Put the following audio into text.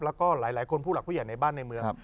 แล้วก็หลายคนผู้หลักผู้ใหญ่ในบ้านในเมือง